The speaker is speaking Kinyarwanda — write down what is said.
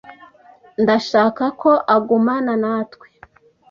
Ndashaka ko agumana natwe.